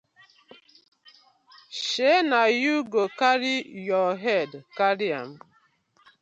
Shey na yu go karry yu head carry am.